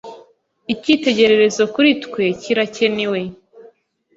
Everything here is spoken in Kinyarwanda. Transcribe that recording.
Ikitegererezo kuri twe kirakenewe